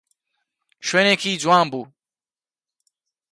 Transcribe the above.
شوێنێکی جوان بوو.